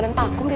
nanti aku jatuh